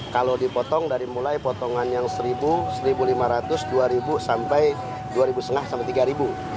kalau dipotong dari mulai potongan yang rp satu rp satu lima ratus rp dua sampai rp dua lima ratus sampai rp tiga